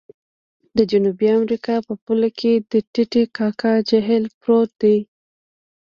د جنوبي امریکا په پوله کې د ټې ټې کاکا جهیل پروت دی.